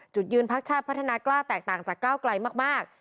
จุดยืนพักชาติพัฒนากล้าแตกต่างจากก้าวไกลมาก